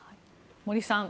森さん